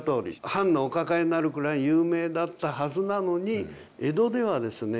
藩のお抱えになるくらい有名だったはずなのに江戸ではですね